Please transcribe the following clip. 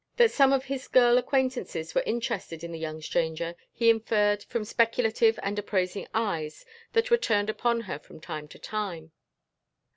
That some of his girl acquaintances were interested in the young stranger he inferred from speculative and appraising eyes that were turned upon her from time to time.